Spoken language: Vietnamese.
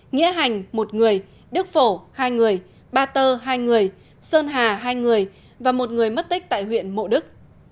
nghĩa hành một người đức phổ hai người ba tơ hai người sơn hà hai người và một người mất tích tại huyện mộ đức